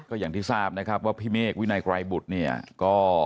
ก็อย่างที่ทราบนะครับว่าพิเมฆวินายไกรบุทธ์ก็